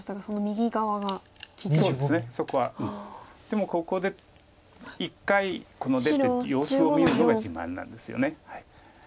もうここで一回出て様子を見るのが自慢なんですよね。